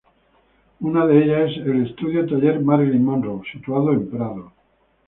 Una de ellas es el "Estudio Taller Marilyn Monroe", situado en Prado.